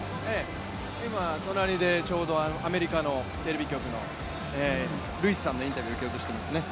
今、隣でちょうどアメリカのテレビ局のルイスさんのインタビューを受けようとしてますね。